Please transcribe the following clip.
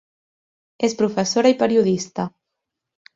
És professora i periodista.